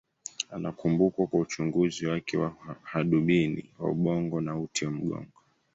Anakumbukwa kwa uchunguzi wake wa hadubini wa ubongo na uti wa mgongo.